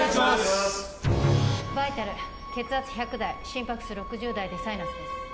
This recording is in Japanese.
バイタル血圧１００台心拍数６０台でサイナスです。